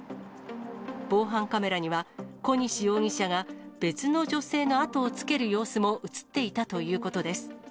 防犯カメラには、小西容疑者が別の女性の後をつける様子も写っていたということです。